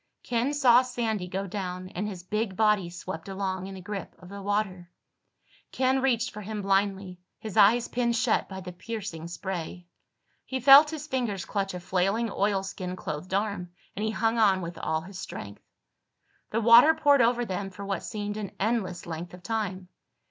Ken saw Sandy go down and his big body swept along in the grip of the water. Ken reached for him blindly, his eyes pinned shut by the piercing spray. He felt his fingers clutch a flailing oilskin clothed arm, and he hung on with all his strength. The water poured over them for what seemed an endless length of time.